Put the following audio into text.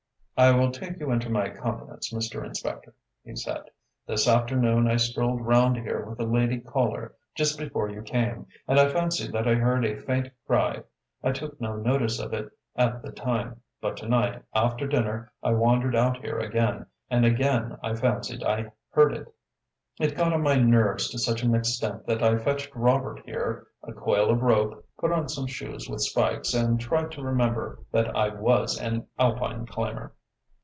"I will take you into my confidence, Mr. Inspector," he said. "This afternoon I strolled round here with a lady caller, just before you came, and I fancied that I heard a faint cry. I took no notice of it at the time, but to night, after dinner, I wandered out here again, and again I fancied I heard it. It got on my nerves to such an extent that I fetched Robert here, a coil of rope, put on some shoes with spikes and tried to remember that I was an Alpine climber."